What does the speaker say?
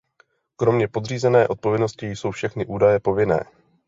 Kromě podřízené odpovědnosti jsou všechny údaje povinné.